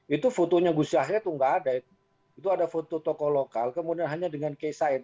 itu fotonya gus yahya itu nggak ada itu ada foto tokoh lokal kemudian hanya dengan kiai said